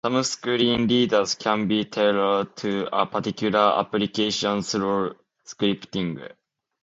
Some screen readers can be tailored to a particular application through scripting.